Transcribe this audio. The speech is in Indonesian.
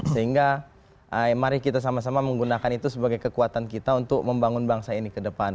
sehingga mari kita sama sama menggunakan itu sebagai kekuatan kita untuk membangun bangsa ini ke depan